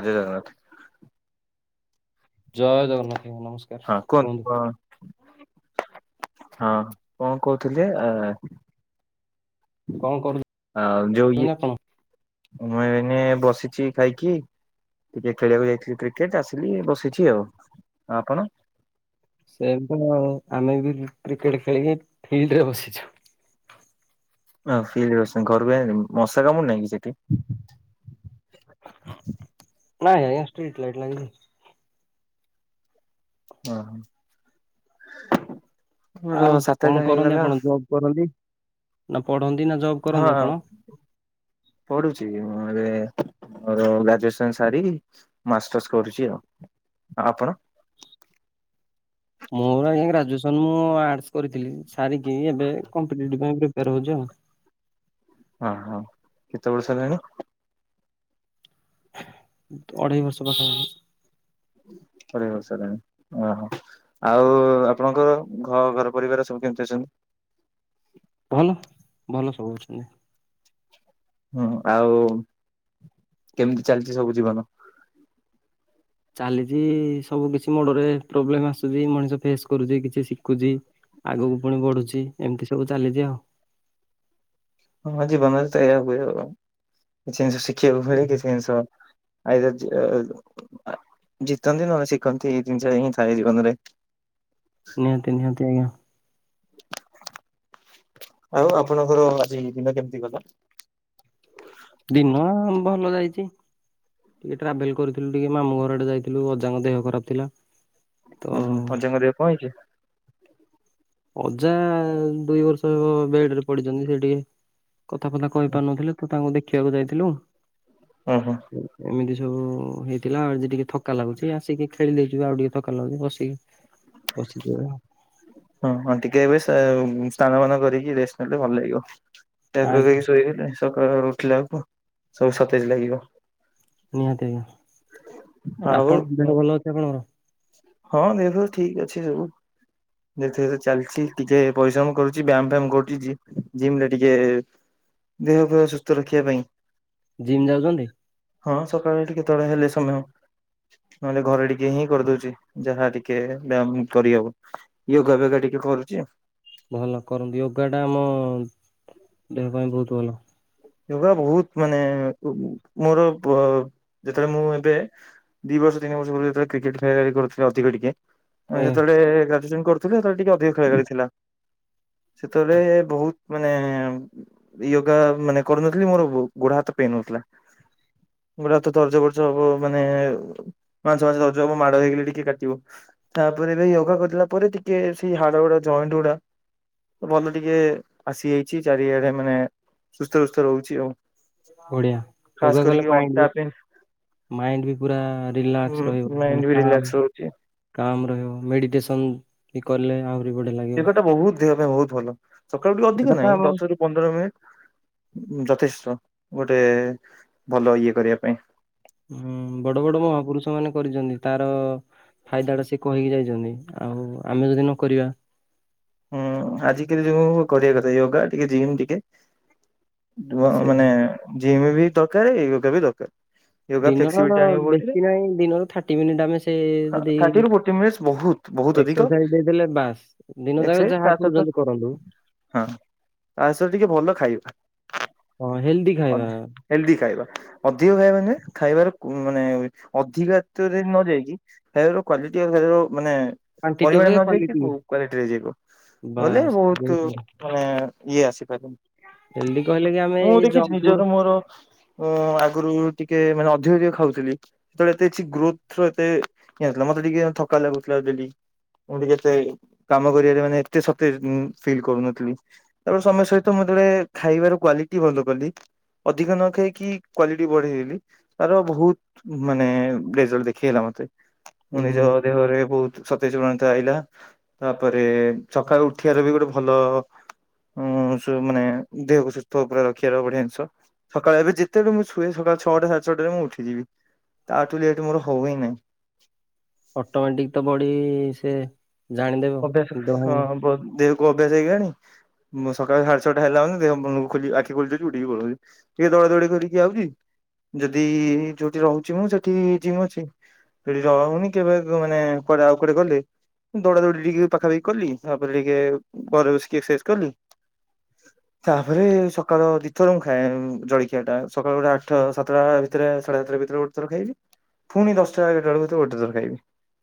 ଜୟ ଜଗନ୍ନାଥ। ଜୟ ଜଗନ୍ନାଥ, ନମସ୍କାର। ହଁ କୁହନ୍ତୁ, କଣ? ହଁ କଣ କହୁଥିଲେ ଆ କଣ କରୁଛନ୍ତି ଆ ଯଉ ଇଏ ଆପଣ? ମୁଁ ଏଇନେ ବସିଚି ଖାଇକି। ଟିକେ ଖେଳିବାକୁ ଯାଇଥିଲି କ୍ରିକେଟ ଆସିଲି ବସିଚି ଆଉ ଆ ଆପଣ? ସେମିତି ଆଉ ଆମେ ବି କ୍ରିକେଟ ଖେଳିକି ଫିଲ୍ଡରେ ବସିଛୁ। ହଁ ଫିଡ୍ଲି ବସିଚ ଘରକୁ ଯାଇନ ମଶା କାମୁଢି ନାହିଁକି ସେଠି? ନାଇଁ ଆଜ୍ଞା ଷ୍ଟ୍ରିଟ ଲାଇଟ୍ ଲାଗିଚି। ଓହୋ ମୋର ଆଉ ସାତ କଣ ଦିନି କରନ୍ତି ହେଇଗଲା। ଆପଣ ଜବ୍ କରନ୍ତି ନା ପଢ଼ନ୍ତି ନା ଜବ୍ କରନ୍ତି ଆପଣ? ପଢ଼ୁଛି ମୁଁ ଏବେ ମୋର ଗ୍ରାଜୁଏସନ୍ ସାରିକି ମାଷ୍ଟର୍ସ କରୁଚି ଆଉ, ଆଉ ଆପଣ? ମୋର ଆଜ୍ଞା ଗ୍ରାଜୁଏସନ୍ ମୁଁ ଆର୍ଟସ କରିଥିଲି ସାରିକି ଏବେ କମ୍ପିଟେଟିଭ ପାଇଁ ପ୍ରିପେୟାର ହେଉଚି ଆଉ। ହଁ, ହଁ କେତେ ବର୍ଷ ହେଲାଣି? ଅଢ଼େଇ ବର୍ଷ ପାଖାପାଖି। ଅଢ଼େଇ ବର୍ଷ ହେଲାଣି ଓହୋ ଆଉ ଆପଣଙ୍କର ଘ ଘର ପରିବାର ସବୁ କେମିତି ଅଛନ୍ତି? ଭଲ, ଭଲ ସବୁ ଅଛନ୍ତି। ହୁଁ, ଆଉ କେମିତି ଚାଲିଚି ସବୁ ଜୀବନ? ଚାଲିଚି ସବୁ କିଛି ମୋଡ଼ରେ ପ୍ରୋବ୍ଲେମ୍ ଆସୁଚି ମଣିଷ ଫେସ୍ କରୁଚି କିଛି ଶିଖୁଛି, ଆଗକୁ ଫୁଣି ବଢ଼ୁଚି ଏମିତି ସବୁ ଚାଲିଚି ଆଉ। ହଁ ଜୀବନରେ ତ ଏଇୟା ହୁଏ ଆଉ। କିଛି ଜିନିଷ ଶିଖିବାକୁ ହୁଏ, କିଛି ଜିନିଷ ଆଇଦର୍ ଅ ଜିତନ୍ତି ନହେଲେ ଶିଖନ୍ତି ଏଇ ଜିନିଷ ହିଁ ଥାଏ ଜୀବନରେ। ନିହାତି, ନିହାତି ଆଜ୍ଞା। ଆଉ ଆପଣଙ୍କର ଆଜି ଦିନ କେମିତି ଗଲା? ଦିନ ଭଲ ଯାଇଚି। ଟିକେ ଟ୍ରାଭେଲ୍ କରିଥିଲୁ ଟିକେ ମାମୁଁ ଘରଆଡ଼େ ଯାଇଥିଲୁ ଅଜାଙ୍କ ଦେହ ଖରାପ ଥିଲା। ତ ଓହୋ ଅଜାଙ୍କ ଦେହ କଣ ହେଇଚି? ଅଜା ଦୁଇ ବର୍ଷ ହେବ ବେଡ଼ରେ ପଡ଼ିଚନ୍ତି ସେ ଟିକେ କଥାବାର୍ତ୍ତା କହିପାରୁନଥିଲେ ତ ତାଙ୍କୁ ଦେଖିବାକୁ ଯାଇଥିଲୁ। ଓହୋ। ଏମିତି ସବୁ ହେଇଥିଲା ଆଜି ଟିକେ ଥକା ଲାଗୁଚି ଆସିକି ଖେଳିଦେଇଚୁ ଆଉ ଟିକେ ଥକା ଲାଗୁଚି ବସିକି ବସିଚୁ ଏୟା। ହଁ ହଁ ଟିକେ ଏବେ ସ୍ନାନ ମାନ କରିକି ରେଷ୍ଟ୍ ନେଲେ ଭଲ ଲାଗିବ। ଆଜ୍ଞା [unintelligible] ଶୋଇଗଲେ ସକାଳଳୁ ଉଠିଲା ବଳକୁ ସବୁ ସତେଜ ଲାଗିବ। ନିହାତି ଆଜ୍ଞା। ଆଉ ଆପଣଙ୍କ ଦେହ ଭଲ ଅଛି ଆପଣଙ୍କର ହଁ ଦେହ ଫେଅ ଠିକ୍ ଅଛି ସବୁ। ଏଥିରେ ତ ଚାଲିଚି ଟିକେ ପରିଶ୍ରମ କରୁଚି ବ୍ୟାୟାମ୍ ଫ୍ୟାମ୍ କରୁଚି ଜିମ ଜିମ ରେ ଟିକେ ଦେହ ଫେଅ ସୁସ୍ଥ ରଖିବା ପାଇଁ। ଜିମ୍ ଯାଉଚନ୍ତି? ହଁ ସକାଳେ ଟିକେ କେତେବେଳେ ହେଲେ ସମୟ। ନହେଲେ ଘରେ ଟିକେ ହିଁ କରିଦଉଛି ଯାହା ଟିକେ ବ୍ୟାମ୍ କରିହବ। ୟୋଗା ବ୍ୟଗା ଟିକେ କରୁଛି ଆଉ। ଭଲ କର ୟୋଗା ଟା ଆମ ଦେହ ପାଇଁ ବହୁତ ଭଲ। ୟୋଗା ବହୁତ ମାନେ ମୋର ପ ଯେତେବେଳେ ମୁଁ ଏବେ ଦି ବର୍ଷ ତିନିବର୍ଷ ପରେ ଯେତେବେଳେ କ୍ରିକେଟ୍ ଖେଳାଖେଳି କରୁଥିଲେ ଅିଧିକ ଟିକେ ଆଜ୍ଞା ସେତେବେଳେ ଗ୍ରାଜୁଏସନ କରୁଥିଲି ସେତେବେଳେ ଟିକେ ଅଧିକ ଖେଳା ଖେଳି ଥିଲା। ସେତେଳେ ବହୁତ ମାନେ ୟୋଗା ମାନେ କରୁନଥିଲି ମୋର ଗୋଡ ହାତ ପେନ୍ ହଉଥିଲା। ଗୋଟା ହାତ ଦରଜ ଫରଜ୍ ହେବ ମାନେ ମାଂସ ମାଂସ ଦରଜ ହବ ମାଡ଼ ହେଇଗଲେ ଟିକେ କାଟିବ। ତାପରେ ଏବେ ୟୋଗା କରିଦଲା ପରେ ଟିକେ ସେଇ ହାଡ ଗୋଡୋ ଜଏଣ୍ଟ ଗୁଡା ଭଲ ଟିକେ ଆସି ଯାଇଛି ଚାରିଆଡେ ମାନେ [unintelligible] ସୁସ୍ଥ ରହୁଛି ଆଉ। ଅଢିଆ ଖାସ ଯୋଗ କରିକି କଲେ ମାଇଣ୍ଡ ଅଣ୍ଟା ବି ପେନ୍ ମାଇଣ୍ଡ ବି ପୁରା ରିଲାକ୍ସ ରହିବ ମାଇଣ୍ଡ ବି ହାଲକା ରିଲାକ୍ସ ରହୁଛି କାମ ରହିବ ମେଡିଟେସନ ବି କଲେ ଆଉ ଯୋଗଟା ବହୁତ ଦେହ ପାଇଁ ବହୁତ ଭଲ ସକାଳୁ ଟିକ ଏଇଟା ଅଧିକ ତ ନାହିଁ ଆମ ହୁଁ ଦଶରୁ ପନ୍ଦର ମିନିଟ ଯଥେଷ୍ଟ ଗୋଟେ ଭଲ ଇଏ କରିବା ପାଇଁ। ହୁଁ ବଡ ବଡ ମହାପୁରୁଷ ମାନେ କରିଛନ୍ତି ତାର ଫାଇଦାଟା ସେ କହିକି ଯାଇଛନ୍ତି ଆଉ ଆମେ ଯଦି ନ କରିବା। ହୁଁ ଆଜିକାଲି ଯୋଉ କରିବା କଥା ୟୋଗା ଟିକେ ଜିମ୍ ଟିକେ ସେ ମାନେ ଜିମ ବି ଦରକାର ୟୋଗା ବି ଦରକାର। ୟୋଗା ଦିନର ଫ୍ଲେକ୍ସିବିଲିଟି ଆଣିବ ବେଶୀ ବୋଡିରେ ନାହିଁ ଦିନର ଥାର୍ଟି ମିନିଟ୍ ଆମେ ସେ ଯଦି ଥାର୍ଟି ରୁ ଫୋର୍ଟୀ ମିନିଟଶ୍ ବହୁତ୍ ବହୁତ ଅଧିକ। ହେଲେ ବାସ୍ ଦିନ ଯାକ ଏକସାଇଜ ଯାହା ତା ସହିତ କରୁଛନ୍ତି କରନ୍ତୁ ତା ସହ ଟିକେ ଭଲ ଖାଇବା। ହଁ ହେଲ୍ଦି ଖାଇବା ହେଲଦି ଖାଇବା ଅଧିକ ଖାଇବା ନୁହେଁ ଖାଇବାର ମାନେ ଅଧିକ ହାତରେ ନ ଯାଇକି ଖାଇବାର କ୍ୱାଲିଟି [unintelligible] ମାନେ କ୍ୱାଣ୍ଟିଟି ପରିମାଣ ଅପେକ୍ଷା ନ ଯାଇକି କ୍ୱାଲିଟି କ କ୍ୱାଲିଟ ରେ ଯିବ ଗଲେ ବାସ୍ ବହୁତ ବଢିଆ ମାନେ ଇଏ ଆସିପାରେନି। ହେଲଦି କହିଲେ କି ଆମେ ଏଇ ଜଙ୍କ ଫୁଡ ମୋର ଆଗରୁ ଟିକେ ମାନେ ଅଧିକ ଅଧିକ ଖାଉଥିଲି। ସେତେବେଳେ ଏତେ କିଛି ଗ୍ରୋଥ ର ଏତେ [unintelligible] ମତେ ଟିକେ ଥକା ଲାଗୁଥିଲା ଡେ଼ଲି। ମୁଁ ଟିକେ ଏତେ କାମ କରିବାରେ ମାନେ ଏତେ ସତେଜ୍ ଫିଲ୍ କରୁନଥିଲି। ସମୟ ସହିତ ମୁଁ ଯେତେବେଳେ ଖାଇବାର କ୍ୱାଲିଟି ଭଲ କଲି। ଅଧିକ ନ ଖାଇକି କ୍ୱାଲିଟି ବଢ଼େଇ ଦେଲି। ତାର ବହୁତ୍ ମାନେ ରେଜଲ୍ଟ ଦେଖେଇଲା ମତେ। ମୁଁ ନିଜ ଦେହରେ ବହୁତ୍ ସତେଜ୍ ପ୍ରଣତା ଆଇଲା। ତାପରେ ସକାଳୁ ଉଠିବାର ବି ଗୋଟେ ଭଲ ଉଁ ମାନେ ଦେହକୁ ସୁସ୍ଥ ପୁରା ରଖିବାର ବଢ଼ିଆ ଜିନିଷ। ସକାଳୁ ଏବେ ଯେତେବେଳେ ମୁଁ ଶୁଏ ସକାଳ ଛଅଟା ସାଢେ଼ଛଟା ରେ ମୁଁ ଉଠିଯିବି ତାଠୁ ଲେଟ୍ ମୋର ହଉ ହିଁ ନାହିଁ। ଅଟୋମେଟିକ୍ ତ ବଡ଼ି ସେ ଜାଣିଦେବ ଅଭ୍ୟାସ ନିଦ ହଁ ଭାଙ୍ଗିବ ବହୁତ୍ ଦେହକୁ ଅଭ୍ୟାସ ହେଇଗଲାଣି। ମୁଁ ସକାଳ ସାଢେ଼ ଛଟା ହେଲା ମାନେ ଦେହ ଖୋଲି ଆଖି [unintelligible] ଉଠିକି ପଳଉଛି। ଟିକେ ଦୌଡା଼ ଦୌଡି଼ କରିକି ଆଉଛି ଯଦି ଯୋଉଠି ରହୁଛି ମୁଁ ସେଠି ଜିମ୍ ଅଛି। ସେଠି ରହୁନି କେବେ ମାନେ କୁଆଡ଼େ ଆଉ କୁଆଡ଼େ ଗଲେ ଦୌଡା଼ ଦୌଡ଼ି ଟିକେ ପାଖାପାଖି କଲି ତାପରେ ଟିକେ ଘରେ ବସିକି ଏକ୍ସରସାଇଜ୍ କଲି। ତାପରେ ସକାଳ ଦିଥର ମୁଁ ଖାଏ ଜଳଖିଆ ଟା ସକାଳୁ ଗୋଟେ ଆଠ ସାତଟା ଭିତରେ ସାଢେ ସାତଟା ଭିତରେ ଗୋ ଖାଇବି ପୁଣି ଦଶଟା ଏଗାରଟା ବେଳକୁ ଗୋଟେଥର ଖାଇବି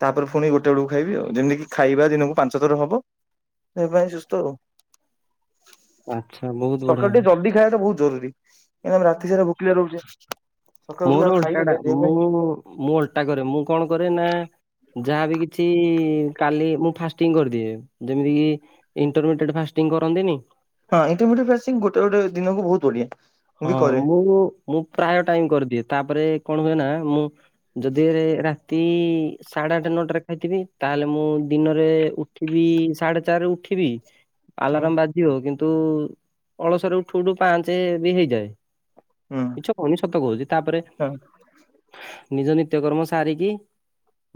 ତାପରେ ପୁଣି ଗୋଟେ ବେଳକୁ ଖାଇବି ଆଉ ଯେମିତି। ଖାଇବା ଦିନକୁ ପାଞ୍ଚ ଥର ହବ ସେ ଦେହ ପାଇଁ ସୁସ୍ଥ ଆଉ। ଆଚ୍ଛା ବହୁତ ବଢିଆ ସକାଳୁ ଟିକେ ଜଲଦି ଖାଇବା ଟା ବହୁତ୍ ଜରୁରୀ କାହିଁକିନା ଆମେ ରାତି ସାରା ଭୋକିଲା ରହୁଛେ। ସକାଳୁ ଉଠିକି ମୋର ଆଉ ଓଲଟା ଟା ଖାଇଦେଲେ ଦେହ ପାଇଁ ମୁଁ ମୁଁ ଓଲଟା କରେ ମୁଁ କଣ କରେ ନା ଯାହାବି କିଛି କାଲି ମୁଁ ଫାଷ୍ଟିଂ କରିଦିଏ ଯେମିତି କି ଇଣ୍ଟରମିଡିଏଟ୍ ଫାଷ୍ଟିଂ କରନ୍ତିନି? ହଁ [unintelligible] ଗୋଟେ ଗୋଟେ ଦିନକୁ ବହୁତ୍ ବଢ଼ିଆ। ହଁ ମୁଁ ମୁଁ ପ୍ରାୟ ଟାଇମ୍ କରିଦିଏ ତାପରେ କଣ ହୁଏ ନା ମୁଁ ଯଦି ରାତି ସାଢ଼େ ଆଠ ନଅଟାରେ ଖାଇଥିବି ତାହେଲେ ମୁଁ ଦିନରେ ଉ ଉଠିବି ସାଢେ଼ ଚାରି ରୁ ଉଠିବି। ହୁଁ ଆଲାରାମ ବାଜିବ କିନ୍ତୁ ଅଳସରେ ଉଠୁ ଉଠୁ ପାଞ୍ଚ ବି ହେଇଯାଏ। ମିଛ କହୁନି ସତ କହୁଛି ତାପରେ ହୁଁ ନିଜ ନିତ୍ୟ କର୍ମ ସାରିକି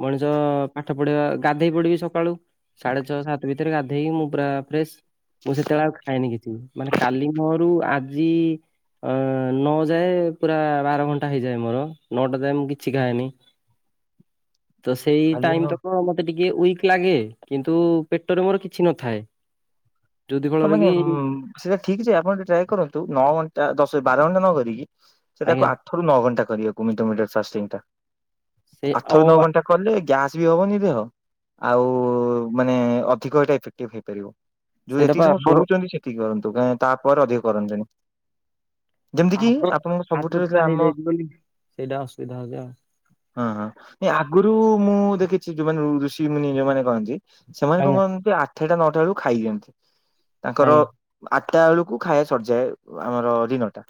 ମଣିଷ ପାଠ ପଢିବା ଗାଧେଇ ପଡ଼ିବି ସକାଳୁ। ସାଢ଼େ ଛଅ ସାତ ଭିତରେ ଗାଧେଇକି ମୁଁ ପୁରା ଫ୍ରେସ୍। ମୁଁ ସେତେବେଳେ ଆଉ ଖାଏନି କିଛି ମାନେ କାଲି ପହରୁ ଆଜି ଅ ନଅ ଯାଏ ପୁରା ବାର ଘଣ୍ଟା ହେଇଯାଏ ମୋର ନଅଟା ଯାଏ ମୁଁ କିଛି ଖାଏନି। ତ ସେଇ କାଲି ଟାଇମ୍ ମୁଁ ତ କଣ ମତେ ଟିକେ ୱିକ୍ ଲାଗେ କିନ୍ତୁ ପେଟରେ ମୋର କିଛି ନଥାଏ। ଯୋଉଥି ହଁ ଫଳରେ ମାନେ କି ସେଟା ଠିକ୍ ଯେ ଆପଣ ଟିକେ ଟ୍ରାଏ କରନ୍ତୁ ନଅ ଘଣ୍ଟା ଦଶ ବାର ଘଣ୍ଟା ନ କରିକି ସେ ତାକୁ ଆଜ୍ଞା ଆଠରୁ ନଅ ଘଣ୍ଟା କରିବାକୁ [unintelligible] ଫାଷ୍ଟିଂ ଟା ସେ ଅ ଆଠରୁ ନଅ ଘଣ୍ଟା କଲେ ଗ୍ୟାସ୍ ବି ହବନି ଦେହ ଆଉ ମାନେ ଅଧିକ ଏଇଟା ଇଫେକ୍ଟିଭ୍ ହେଇପାରିବ। ଯୋଉ ସେଇଟା ଯେତିକି ପା ସମୟ ମୋର ଶୋଉଛନ୍ତି ସେତିକି କରନ୍ତୁ ତାପରେ ଅଧିକ କରନ୍ତୁନି। ଯେମିତି କି ଆଦ ଆପଣଙ୍କ ଆଦତ ସବୁଠାରୁ ଟା ଥିଲା ଆମ ହେଇଯାଇଛି ବୋଲି ସେଇଟା ଅସୁବିଧା ହଉଛି ଆଉ ହଁ ହଁ ଏ ଆଗରୁ ମୁଁ ଦେଖିଛି ଯୋଉମାନେ ଋଷି ମୁନି ଯୋଉମାନେ କହନ୍ତି। ସେମାନେ କଣ ଆଜ୍ଞା କରନ୍ତି ଆଠଟା ନଅଟା ବେଳକୁ ଖାଇ ଦିଅନ୍ତି। ତାଙ୍କର ଆଜ୍ଞା ଆଠଟା ବେଳକୁ ଖାଇଆ ସରିଯାଏ ଆମର ଦିନ ଟା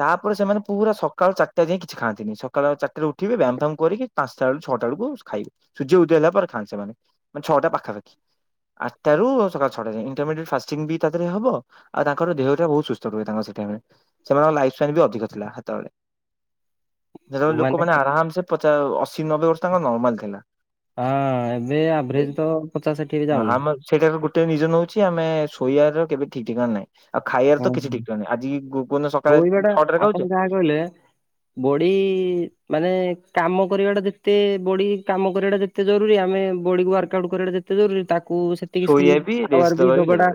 ତାପରେ ସେମାନେ ପୁରା ସକାଳ ଚାରିଟା ଯାଇଏ କିଛି ଖାଆନ୍ତିନୀ। ସକାଳ ଚାରଟା ରୁ ଉଠିବେ ବ୍ୟାୟାମ ଫାମ କରିକି ପାଞ୍ଚଟା ବେଳୁ ଛଅଟା ବେଳକୁ ଖାଇବୁ ସୂର୍ଯ୍ୟ ଉଦୟ ହେଲା ପରେ ଖାଆନ୍ତି ସେମାନେ ମାନେ ଛଅଟା ପାଖାପାଖି। ଆଟା ରୁ ସକାଳ ଛଟା ଯାଙ୍କେ। ଫାଷ୍ଟିଙ୍ଗ ବି ତାହ ଦେହ ରେ ହବ ଆଉ ତାଙ୍କର ଦେହଟା ବହୁତ ସୁସ୍ଥ ରୁହେ ତାଙ୍କ ର ସେଇ ଟାଇମ୍ ରେ। ସେମାନଙ୍କ ଲାଇଫଷ୍ଟାଇଲ ବି ଅଧିକ ଥିଲା ସେ ହେତବେଳେ। [unintelligible] ଯେତେବେଳେ ମାନେ ଲୋକମାନେ ଆରାମସେ ପଚା ଅଶୀ ନବେ ବର୍ଷ ତାଙ୍କର ନର୍ମାଲ ଥିଲା। ହଁ ଏବେ ଆଭରେଜ ତ ପଚାଶ ଷାଠିଏ ବି ହଁ ଯାଉନି। ଆମ ସେଇଟାର ଗୋଟେ ରିଜର୍ଣ ହଉଚି ଆମେ ଶୋଇବାର କେବେ ଠିକ ଠିକଣା ନାହିଁ। ଆଉ ଖାଇବାରେ ତ ହଁ। କିଛି ଠିକ୍ ଠିକଣା ନାହିଁ ଆଜି ଗୁଗୁନୁ ସକାଳେ ଶୋଇବାଟା ଛଅଟାରେ ଆପଣ ଖାଉଚେ ଯାହା କହିଲେ। ବଡି ମାନେ କାମ କରିବା ଟା ଯେତେ ବଡି କାମ କରିବା ଟା ଯେତେ ଏତେ ଜରୁରୀ ଆମେ ବଡିକୁ ୱାର୍କ ଆଉଟ୍ କରିବାଟା ଯେତେ ଜରୁରୀ ତାକୁ ସେତିକି ଶୋଇବା ସ୍ଲିପ ବି ରେଷ୍ଟ ଆୱାର ବି ଦବା ଦବାଟା ଜରୁରୀ।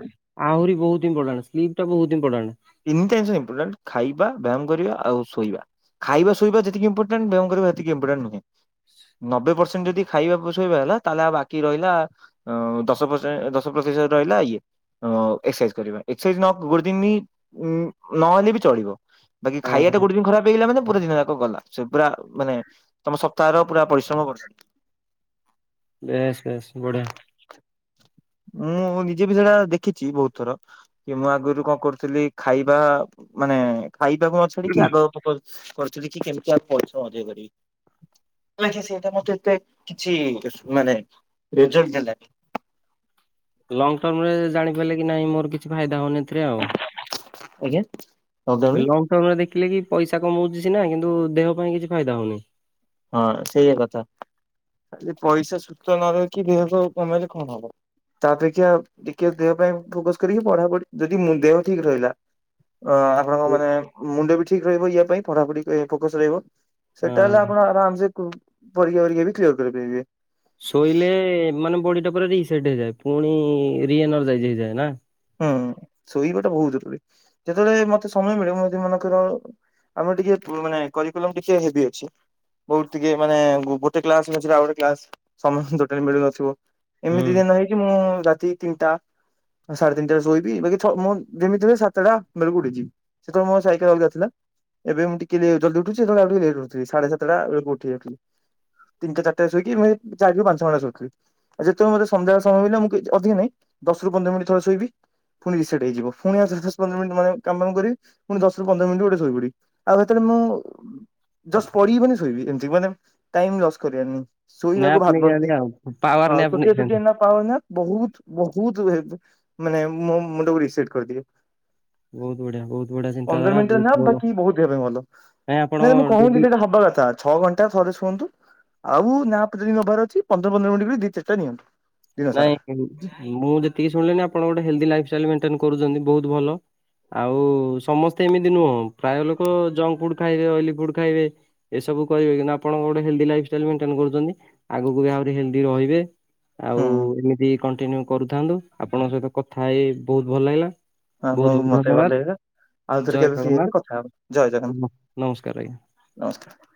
ଆହୁରି ବହୁତ ଈମ୍ପୋଟାଣ୍ଟ ଟ ସ୍ଲୀପ ଟା ବହୁତଇମ୍ପୋଟାଣ୍ଟ। ତିନି ଟା ଜିନିଷ ଈମ୍ପୋଟାଣ୍ଟ ଖାଇବା ବ୍ୟାୟାମ କରିବା ଆଉ ଶୋଇବା। ଖାଇବା ଶୋଇବା ଯେତିକିଇମ୍ପୋଟାଣ୍ଟ ବ୍ୟୟାମ କରିବା ସେତିକ ଈମ୍ପୋଟାଣ୍ଟ ନୁହେଁ। ନବେ ପ୍ରସେଣ୍ଟ ଯଦି ଖାଇବା ଶୋଇବା ହେଲା ତାହେଲେ ଆଉ ବାକି ରହିଲା ଦଶ ପ୍ରସେ ଦଶ ପ୍ରତିଶତ ରହିଲା ଇଏ। ଏକ୍ସରସାଇଜ୍ କରିବା ଏକ୍ସରସାଇଜ ନ ଗୋଦିନ [inaudible] ଉଁ ନହେଲେ ବି ଚଳିବ ବାକି ଖାଇବା ଟା ହଁ। ଗୋଟେ ଦିନ ଖରାପ ପଲା ମାନେ ପୁରା ଦିନ ଯାକ ଗଲା ସେ ପୁରା ମାନେ ତମ ସପ୍ତାହର ପୁରା ପରିଶ୍ରମ ବର୍ଷା ବେଶ ବେଶ ବଢିଆ। ମୁଁ ନିଜେ ବି ସେଇଟା ଦେଖିଛି ବହୁତ ଥର। କି ମୁଁ ଆଗରୁ କଣ କରୁଥିଲି? ଖାଇବା ମାନେ ଖାଇବାକୁ ନଛାଡିକି ଆଗ ପକ କରିଥିଲ କି କେମିତି ଆଉ ପଛ [inaudible] ସେଟା ମତେ ଏତେ କିଛି ମାନେ ରେଜଲଟ ଦେଲାନି। ଲଙ୍ଗ ଟର୍ମରେ ଜାଣି ପାରେ କି ନାଇଁ ମୋର କିଛି ଫାଇଦା ହଉନି ଏଥିରେ ଆଉ ଆଜ୍ଞା ଲକଡାଉନରେ ହାଲୋ। ଟମରେ ଦେଖିଲେ କି ପଇସା କମଉଚି ସିନା କିନ୍ତୁ ଦେହ ପାଇଁ କିଛି ଫାଇଦା ହଉନି। ହଁ ସେଇଆ କଥା ପଇସା ସୁସ୍ଥ ନରହି କି ଦେହକୁ କମେଇଲେ କଣ ହବ? ତା ଅପେକ୍ଷା ଟିକେ ଦେହ ପାଇଁ ଫୋକସ କରିକି ପଢାପଢି ଯଦି ଦେହ ଠିକ ରହିଲା। ଅ ଆପଣଙ୍କ ସେ ମାନେ ମୁଣ୍ଡ ବି ଠିକ ରହିବ ୟା ପାଇଁ ପଢାପଢି ଫୋକସ ରହିବ ହଁ। ସେଟା ହେଲା ଆରାମସେ ପରୀକ୍ଷା ବାରୀକ୍ଷା ବି କ୍ଲିୟର କରିପାରିବେ। ଶୋଇଲେ ମାନେ ବଡି ଟା ପୁରା ରିସେଟ ହେଇଯାଏ ପୁଣି ରି ଏନର୍ଜାଇଜ ହେଇଯାଏ ନା। ହୁଁ ଶୋଇବା ଟା ବହୁତ ଜରୁରୀ ଯେତେବେଳେ ମତେ ସମୟ ମିଳେ ମୁଁବି ମନେ କର ଆମର ଟିକେ ମାନେ କରିକକୁଲମ ଟିକେ ହେବ ଅଛି। ବହୁତ ଟିକେ ମାନେ ଗୋଟେ କ୍ଲାସ ନ ଆଉ ଗୋଟେ କ୍ଲାସ ସମୟଟ ତୋଟାଲୀ ମିଳୁନଥିବ। ହୁଁ। ଏମିତି ଜେ ନାହିଁ କି ମୁଁ ରାତି ତିନିଟା ସାଢେ ତିନିଟା ଶୋଇବି ବାକି ଛଅ ମୋ ଯେମିତିହେଲେ ସାତଟା ବେଳକୁ ଉଠିଯିବି ସେତେବେଳେ ମୋ ସାଇକେଲ ଅଲଗା ଥିଲା। ଏବେ ମୁଁ ଟିକେ ଜଲଦି ଉଠୁଛି ଲେଟ ଉଠଥିଲିଢୋ [inaudible] ତଟାେଳେ ଉଠିାଉଥିଲି ତିନି ଚାରଟାରେ ଶୋଇକି ଚାରି ପାଞ୍ଚଣ୍ଟା ଶୋଇଥିଲି। ଆଉ ଯେତେବେଳେ ମତେ ସନ୍ଧ୍ୟା ସମୟ ମିଳିଲା ମୁଁ ଅଧିକ ନାଇଁ ଦଶ ରୁ ପନ୍ଦର ମିନିଟ ଥରେ ଶୋଇବି। ପୁଣି ରିସେଟ ହେଇଯିବ। ଫୁଣି ଦଶ ପନ୍ଦର ମିନିଟ [inaudible] ମାନେ କାମ କରିବ ପୁଣିଶରୁନ୍ଦରିନଟ ଗଟେ ସୋଇ ପୁଡି ଆଉ ସେତେବେଳେ ମୁଁ ଜଷ୍ଟ ପଢିବି ମାନେ ଶୋଇବି ଏମତି ମାନେ ଟାଈମ ଲସ କରିବା ର ନାହିଁ। ଶୋଇବାକୁ ନ୍ୟାପ୍ ଭାବନ୍ତି ନେଇଯାଆନ୍ତି ଆଉ ପାୱାର ହଁ ନ୍ୟାପ୍ ଛୋଟିଏ ଛୋଟିଆ ନେଇଯାଆନ୍ତି। ନା ପା ନା ବହୁତ ବହୁତ ମାନେ ଭେଦ ମୋ ମୁଣ୍ଡକୁ ରିସେଟେ କରିଦିଏ ବହୁତ ବଢିଆ ବହୁତ ବଢିଆ ପନ୍ଦର ଚିନ୍ତାଧାରା ମିନିଟରେ ବହୁତ ନା ଭଲ ବାକି ବହୁତ ଦେବେ ଭଲ ନାଇଁ ଆପଣ ନାଇ ମୁଁ କହୁନି ଡେଲି ସେଇଟା ହବା କଥା ଛଅ ଘଣ୍ଟା ଥରେ ଶୁଅନ୍ତୁ ଆଉ ନା ଯଦି ନବାର ଅଛି ପନ୍ଦର ପନ୍ଦର ମିନିଟ ଦି ଚାରିଟା ନିଅନ୍ତୁ ଦିନ ସାରା। ନାଇଁ ମୁଁ ଯେତିକି ଶୁଣିଲିଣିି ଆପଣ ଗୋଟେ ହେଲେଦି ଲାଇଫ ଷ୍ଟାଇଲ ମେଣ୍ଟେନେ କରୁଚନ୍ତି ବହୁତ ଭଲ ଆଉ ସମସ୍ତେ ଏମିତି ନୁହଁ ପ୍ରାୟ ଲୋକ ଜଙ୍କ ଫୁଡ ଖାଇବେ ଅଏଲି ଫୁଡ ଖାଇବେ ଏସବୁ କରିବେ କିନ୍ତୁ ଆପଣ ଗୋଟେ ହେଲ୍ଦି ଲାଇଫଷ୍ଟାଇଲ ମେଣ୍ଟେନ କରୁଛନ୍ତି ଆଗକୁ ବି ଆହୁରି ହେଲଦି ରହିବେ ହୁଁ ଆଉ ଏମିତି କଣ୍ଟିନ୍ୟୁ କରୁଥାନ୍ତୁ ଆପଣଙ୍କ ସହିତ କଥା ହେଇ ବହୁତ ଭଲ ଲାଗିଲା ହଁ ବହୁତ ହୁଁ ବହୁତ ମତେ ଭଲ ଧନ୍ୟବାଦ ଲାଗିଲା ଆଉଥରେ ଜୟ କେବେ ଫ୍ରି ହେବେ ଜଗନ୍ନାଥ କଥା ହବ ଜୟ ଓ ଜଗନ୍ଥ ନମସ୍କାର ଆଜ୍ଞା। ନମସ୍କାର